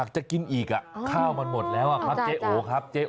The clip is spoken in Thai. จะกินอีกข้าวมันหมดแล้วครับเจ๊โอครับ